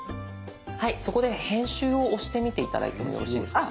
はいそこで編集を押してみて頂いてもよろしいですか？